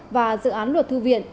và dự án luật thư viện